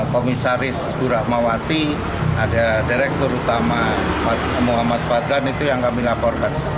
komisaris bu rahmawati ada direktur utama muhammad fadlan itu yang kami laporkan